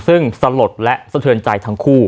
ซึ่งสลดและสะเทือนใจทั้งคู่